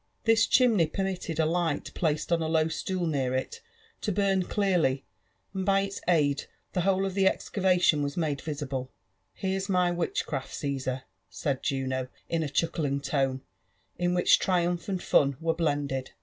J\m chimney permitted a light placed on a low atool near it to burn dearly^ and by its aid the whole of Ihe excavation waa made viaiUe* " Here'a my witchcraft, Caasar," said Juno, in a chuckling tone» io which triumph and fun were blended.